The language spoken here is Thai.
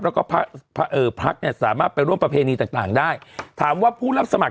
แล้วก็พระเอ่อพักเนี่ยสามารถไปร่วมประเพณีต่างต่างได้ถามว่าผู้รับสมัคร